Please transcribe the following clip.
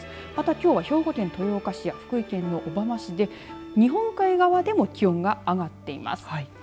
きょうは兵庫県豊岡市や福井県小浜市で日本海側でも気温が上がっています。